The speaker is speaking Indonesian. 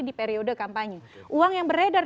di periode kampanye uang yang beredar